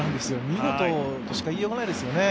見事としか言いようがないですよね。